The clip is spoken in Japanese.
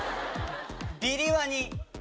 ビリワニ。